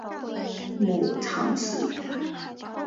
母常氏。